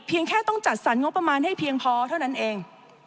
แค่ต้องจัดสรรงบประมาณให้เพียงพอเท่านั้นเอง